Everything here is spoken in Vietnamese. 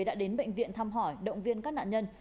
đã đến bệnh viện thăm hỏi động viên các nạn nhân